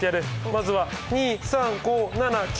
まずは２３５７９。